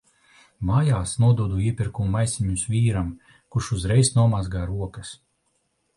Mājās nododu iepirkumu maisiņus vīram, kurš uzreiz nomazgā rokas.